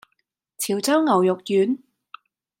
潮州牛肉丸